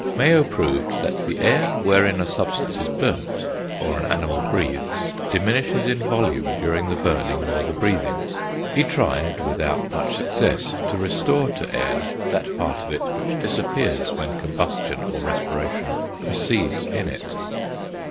Mayow proved that the air wherein a substance is burnt, or an animal breathes, diminishes in volume during the burning, or the breathing. He tried, without much success, to restore to air that part of it which disappears when combustion, or respiration, proceeds in it.